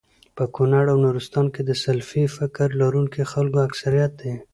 په کونړ او نورستان کي د سلفي فکر لرونکو خلکو اکثريت دی